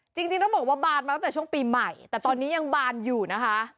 จริงต้องบอกว่าบานมาตั้งแต่ช่วงปีใหม่แต่ตอนนี้ยังบานอยู่นะคะ